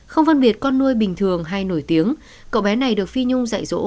không phân biệt con nuôi bình thường hay nổi tiếng cậu bé này được phi nhung dạy dỗ